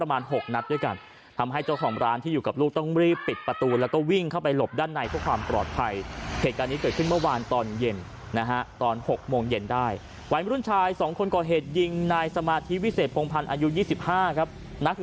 อันนี้เป็นอีกหนึ่งคลิปที่ได้ยินเสียงปืน